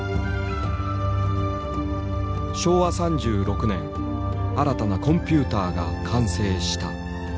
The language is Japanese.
昭和３６年新たなコンピューターが完成した。